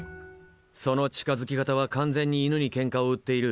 その近づき方は完全に犬にケンカを売っている。